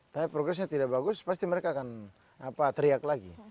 tapi progresnya tidak bagus pasti mereka akan teriak lagi